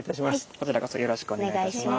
こちらこそよろしくお願いいたします。